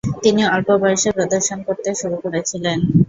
তিনি অল্প বয়সেই প্রদর্শন করতে শুরু করেছিলেন।